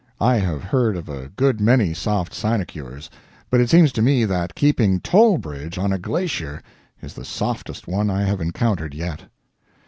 I have heard of a good many soft sinecures, but it seems to me that keeping toll bridge on a glacier is the softest one I have encountered yet.